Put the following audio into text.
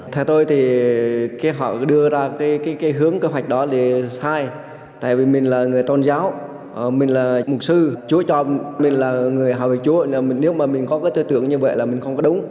theo tôi thì khi họ đưa ra cái hướng cơ hoạch đó thì sai tại vì mình là người tôn giáo mình là mục sư chúa trò mình là người hào vị chúa nếu mà mình có cái tư tưởng như vậy là mình không có đúng